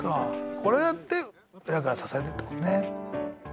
これやって裏から支えるってことね。